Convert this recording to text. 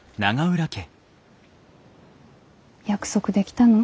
約束できたの？